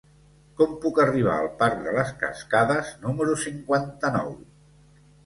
Com puc arribar al parc de les Cascades número cinquanta-nou?